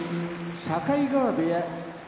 境川部屋